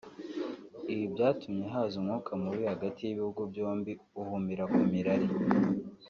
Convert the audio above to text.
Ibi byatumye haza umwuka mubi hagati y’ibihugu byombi uhumira ku mirari